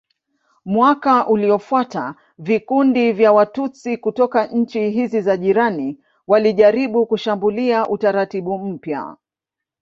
Mwaka uliofuata vikundi vya Watutsi kutoka nchi hizi za jirani walijaribu kushambulia utaratibu mpya.